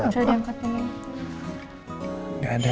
bisa diangkat dulu